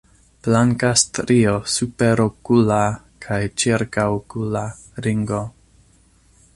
Blanka strio superokula kaj ĉirkaŭokula ringo.